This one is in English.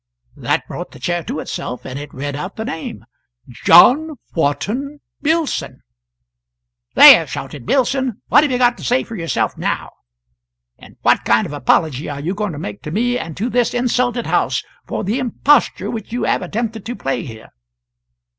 That brought the Chair to itself, and it read out the name: "John Wharton Billson." "There!" shouted Billson, "what have you got to say for yourself now? And what kind of apology are you going to make to me and to this insulted house for the imposture which you have attempted to play here?"